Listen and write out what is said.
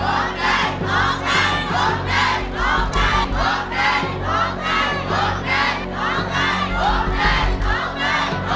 โครงให้โครงให้โครงให้โครงให้